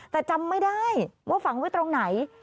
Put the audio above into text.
แต่จำไม่ได้ว่าฝังไว้ตรงไหน